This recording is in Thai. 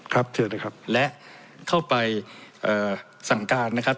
เชิญนะครับและเข้าไปเอ่อสั่งการนะครับ